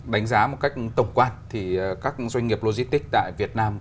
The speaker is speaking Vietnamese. đánh giá một cách tổng quan thì các doanh nghiệp logistics tại việt nam